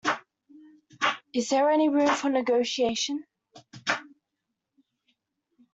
Is there any room for negotiation?